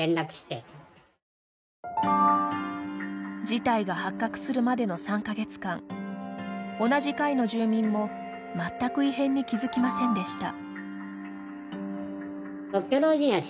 事態が発覚するまでの３か月間同じ階の住民も全く異変に気付きませんでした。